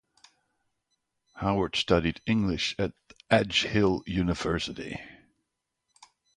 Howard studied English at Edge Hill University.